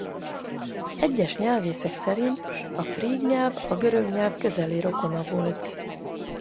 Egyes nyelvészek szerint a fríg nyelv a görög nyelv közeli rokona volt.